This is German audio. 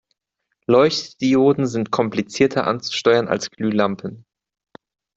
Leuchtdioden sind komplizierter anzusteuern als Glühlampen.